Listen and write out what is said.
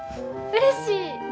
うれしい。